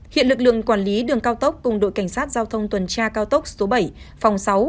hiện lực lượng quản lý đường cao tốc cùng đội cảnh sát giao thông tuần tra cao tốc số bảy phòng sáu